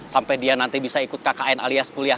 sampai dia nanti bisa ikut kkn alias kuliah